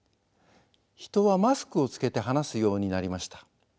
人はマスクをつけて話すようになりました。